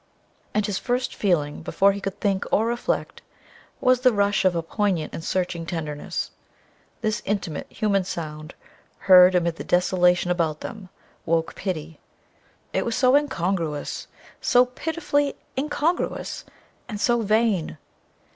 And his first feeling, before he could think or reflect, was the rush of a poignant and searching tenderness. This intimate, human sound, heard amid the desolation about them, woke pity. It was so incongruous, so pitifully incongruous and so vain!